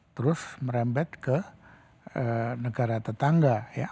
terus merembet ke negara tetangga